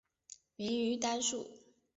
明于丹术。